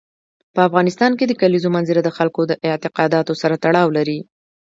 په افغانستان کې د کلیزو منظره د خلکو د اعتقاداتو سره تړاو لري.